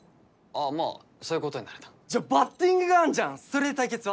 ああまあそういうことになるなじゃあバッティングがあんじゃんそれで対決は？